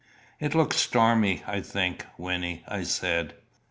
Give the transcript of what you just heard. "It looks stormy, I think, Wynnie," I said.